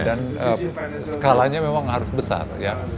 dan skalanya memang harus besar ya